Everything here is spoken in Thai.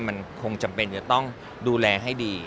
มันคงจำเป็นจะต้องดูแลให้ดี